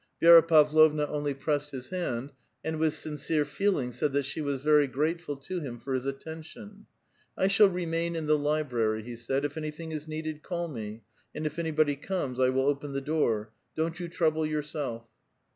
Vi6ra Pavlovna only pressed his hand, and, with ere feeling said that she was very grateful to him for his Lition. I shall remain in the library," he said. " If anything ceded, call me, and if anybody comes, I will open the Don't you trouble yourself."